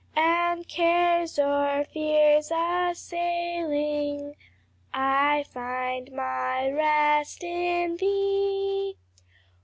And cares or fears assailing, I find my rest in thee!